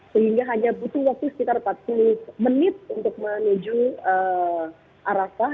sehingga hanya butuh waktu sekitar empat puluh menit untuk menuju arafah